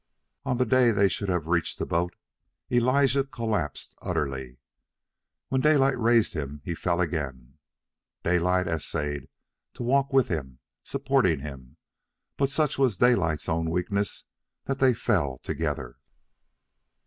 On the day they should have reached the boat, Elijah collapsed utterly. When Daylight raised him, he fell again. Daylight essayed to walk with him, supporting him, but such was Daylight's own weakness that they fell together.